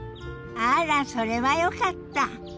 あらそれはよかった。